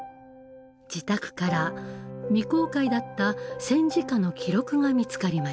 自宅から未公開だった戦時下の記録が見つかりました。